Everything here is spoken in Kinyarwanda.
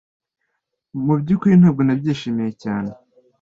Mubyukuri ntabwo nabyishimiye cyane